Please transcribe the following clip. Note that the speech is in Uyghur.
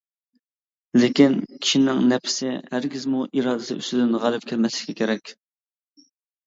لېكىن، كىشىنىڭ نەپسى ھەرگىزمۇ ئىرادىسى ئۈستىدىن غالىپ كەلمەسلىكى كېرەك.